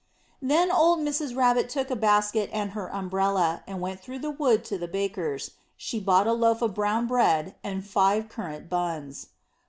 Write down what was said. Then old Mrs. Rabbit took a basket and her umbrella, and went through the wood to the baker's. She bought a loaf of brown bread and five currant buns.